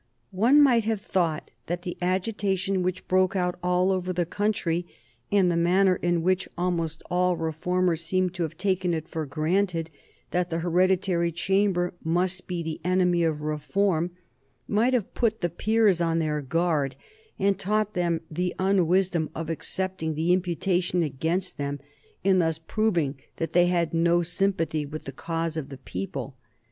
One might have thought that the agitation which broke out all over the country, and the manner in which almost all Reformers seemed to have taken it for granted that the hereditary Chamber must be the enemy of all reform, might have put the peers on their guard and taught them the unwisdom of accepting the imputation against them, and thus proving that they had no sympathy with the cause of the people.